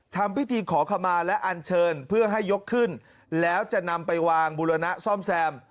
ทำพิธีขอขมาและอันเชิญเพื่อให้ยกขึ้นแล้วจะนำไปวางบุรณะซ่อมแซม